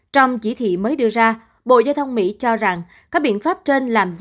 trong chỉ thị mới đưa ra bộ giao thông mỹ cho rằng các biện pháp trên làm gián đổi